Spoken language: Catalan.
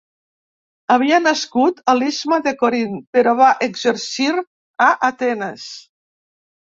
Havia nascut a l'istme de Corint, però va exercir a Atenes.